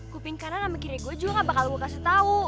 kuping kanan sama kiri gue juga gak bakal gue kasih tau